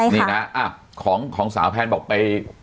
นี่นะของสาวแพนบอกไป